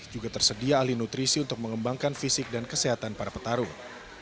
juga tersedia ahli nutrisi untuk mengembangkan fisik dan kesehatan para petarung